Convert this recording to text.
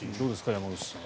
山口さん。